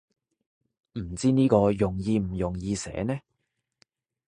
唔知呢個容易唔容易寫呢